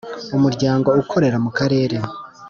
Umuryango ukorera mu karere